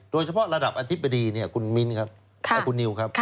โดยเฉพาะระดับอธิบดีเนี่ยคุณมิ้นครับค่ะและคุณนิวครับค่ะ